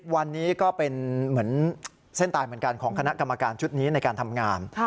วันนี้ก็เป็นเหมือนเส้นตายเหมือนกันของคณะกรรมการชุดนี้ในการทำงาน